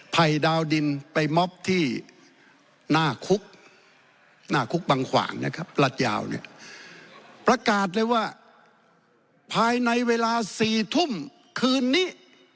ประกาศเลยว่าภายในเวลา๔ทุ่มคืนนี้